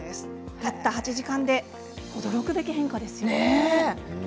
たった８時間で驚くべき変化。